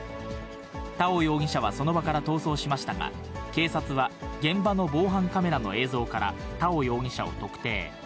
田尾容疑者はその場から逃走しましたが、警察は現場の防犯カメラの映像から、田尾容疑者を特定。